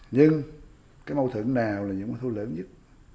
nhưng cái mâu thuẫn nào là những mâu thuẫn thu lớn nhất